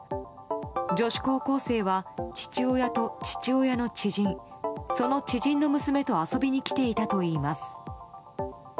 女子高校生は、父親と父親の知人その知人の娘と遊びに来ていたといいます。